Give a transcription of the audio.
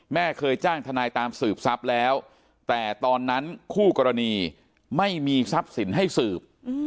แม่เคยจ้างทนายตามสืบทรัพย์แล้วแต่ตอนนั้นคู่กรณีไม่มีทรัพย์สินให้สืบ